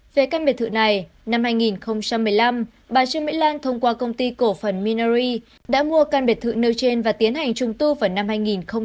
về căn biệt thự này năm hai nghìn một mươi năm bà trương mỹ lan thông qua công ty cổ phần minery đã mua căn biệt thự nêu trên và tiến hành trung tu vào năm hai nghìn một mươi bảy